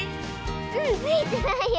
うんついてないよ！